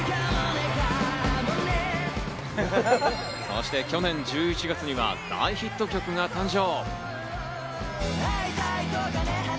そして去年１１月には大ヒット曲が誕生。